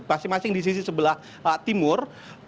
masing masing di sisi sebelah timur